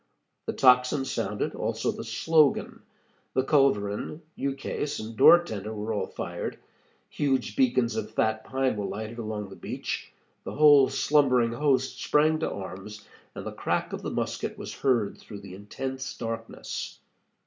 The tocsin sounded, also the slogan. The culverin, ukase, and door tender were all fired. Huge beacons of fat pine were lighted along the beach. The whole slumbering host sprang to arms, and the crack of the musket was heard through the intense darkness.